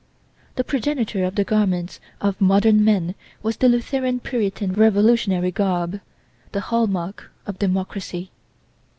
The progenitor of the garments of modern men was the Lutheran Puritan Revolutionary garb, the hall mark of democracy.